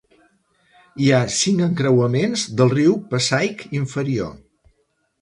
Hi ha cinc encreuaments del riu Passaic inferior.